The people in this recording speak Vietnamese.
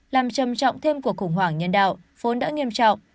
làm trầm trọng thêm của khủng hoảng nhân đạo vốn đã nghiêm trọng